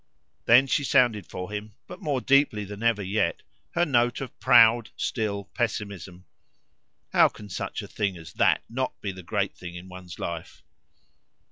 Then she sounded for him, but more deeply than ever yet, her note of proud still pessimism. "How can such a thing as that not be the great thing in one's life?"